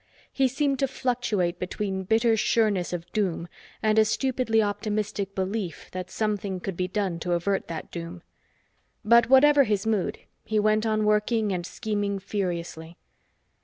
He seemed to fluctuate between bitter sureness of doom and a stupidly optimistic belief that something could be done to avert that doom. But whatever his mood, he went on working and scheming furiously.